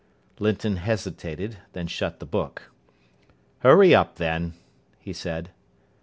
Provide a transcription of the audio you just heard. Linton hesitated, then shut the book. "Hurry up, then," he said.